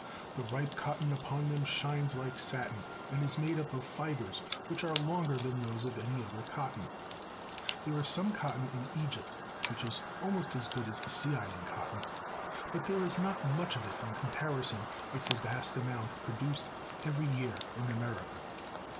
The ripe cot ton upon them shines like satin, and it is made up of fibers which are longer than those of any other cottoh. There is some cotton in Egypt which is almost as good as the sea island cotton, but there is not much of it in compar ison with the vast amount produced every year in America.